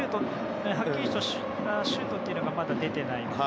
はっきりとしたシュートというのがまだ出てないので。